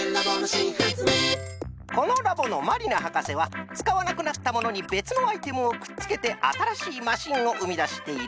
このラボのまりな博士はつかわなくなったものにべつのアイテムをくっつけてあたらしいマシンをうみだしている。